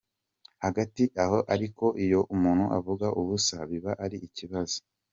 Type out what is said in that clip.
Hagati aho ariko iyo umuntu avuga ubusa biba ari ikibazo.